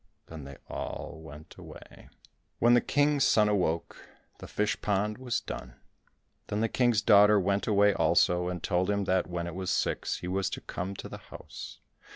Then they all went away. When the King's son awoke the fish pond was done. Then the King's daughter went away also, and told him that when it was six he was to come to the house.